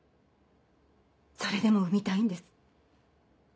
それでも産みたいんです。